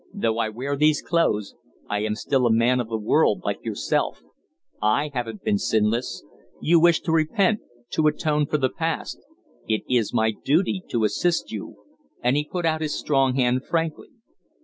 "Though I wear these clothes, I am still a man of the world like yourself. I haven't been sinless. You wish to repent to atone for the past. It is my duty to assist you." And he put out his strong hand frankly.